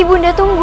ibu nda tunggu